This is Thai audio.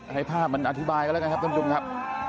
ให้ภาพมันอธิบายกันแล้วกันครับท่านผู้ชมครับ